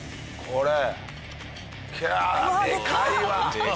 これ。